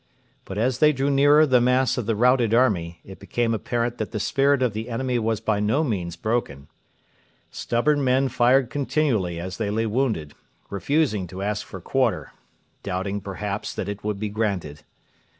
But as they drew nearer the mass of the routed army, it became apparent that the spirit of the enemy was by no means broken. Stubborn men fired continually as they lay wounded, refusing to ask for quarter doubting, perhaps, that it would be granted.